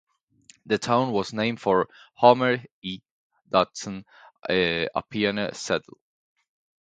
The town was named for Homer E. Hudson, a pioneer settler.